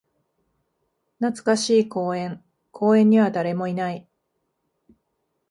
懐かしい公園。公園には誰もいない。